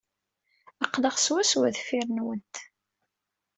Aql-aɣ swaswa deffir-went.